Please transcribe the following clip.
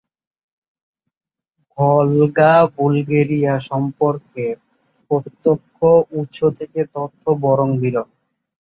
ভলগা Bulgaria সম্পর্কে প্রত্যক্ষ উৎস থেকে তথ্য বরং বিরল।